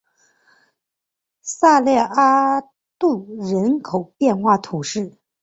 萨勒阿杜人口变化图示